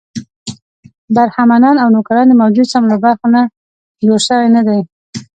برهمنان او نوکران د موجود جسم له برخو نه جوړ شوي نه دي.